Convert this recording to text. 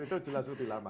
itu jelas lebih lama